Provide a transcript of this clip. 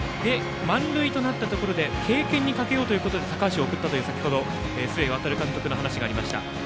満塁となったところで経験にかけようということで高橋を送ったと、先程須江航監督の話がありました。